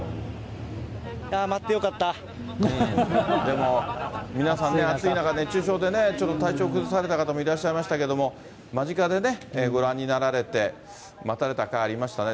でも、皆さんね、暑い中、熱中症で体調崩された方もいらっしゃいましたけど、間近でね、ご覧になられて、待たれたかいありましたね。